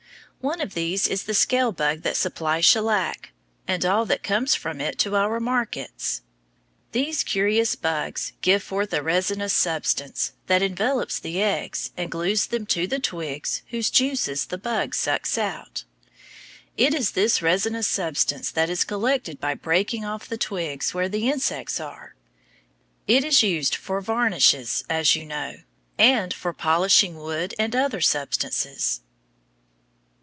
One of these is the scale bug that supplies shellac, and all that comes from it to our markets. These curious bugs give forth a resinous substance that envelops the eggs and glues them to the twigs whose juices the bug sucks out. It is this resinous substance that is collected by breaking off the twigs where the insects are. It is used for varnishes, as you know, and for polishing wood and other substances.